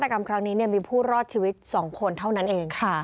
ส่วนการน่าตากรรมครั้งนี้มีผู้รอดชีวิต๒คนเท่านั้นเองค่ะ